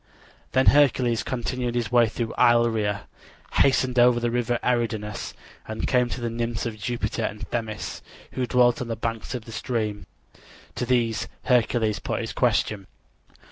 Then Hercules continued his way through Illyria, hastened over the river Eridanus, and came to the nymphs of Jupiter and Themis, who dwelt on the banks of the stream. To these Hercules put his question.